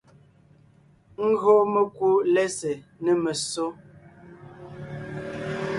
Gÿo mekú lɛ́sè nê messó,